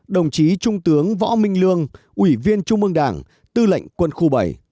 ba mươi sáu đồng chí trung tướng võ minh lương ủy viên trung ương đảng tư lệnh quân khu bảy